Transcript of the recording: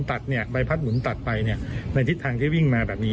ตัดใบพัดหมุนตัดไปในทิศทางที่วิ่งมาแบบนี้